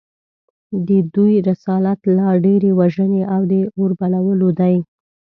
د دوی رسالت لا ډېرې وژنې او اوربلول دي